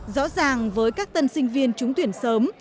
rõ ràng với các tân sinh viên trúng tuyển sớm